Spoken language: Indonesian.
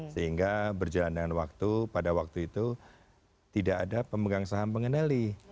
sehingga berjalan dengan waktu pada waktu itu tidak ada pemegang saham pengendali